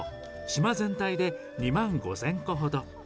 島全体で２万５０００個ほど。